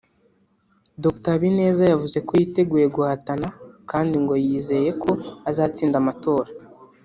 Dr Habineza yavuze ko yiteguye guhatana kandi ngo yizeye ko azatsinda amatora